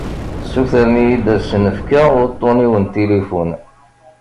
Ssutren-iyi-d ad asen-fkeɣ uṭṭun-iw n tilifun.